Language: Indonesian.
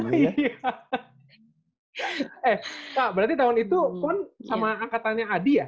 eh pak berarti tahun itu pun sama angkatannya adi ya